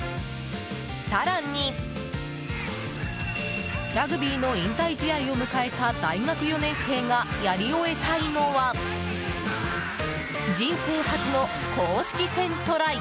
更に、ラグビーの引退試合を迎えた大学４年生がやり終えたいのは人生初の公式戦トライ。